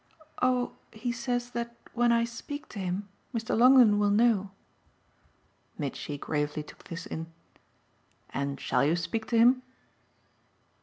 "Oh he says that when I speak to him Mr. Longdon will know." Mitchy gravely took this in. "And shall you speak to him?"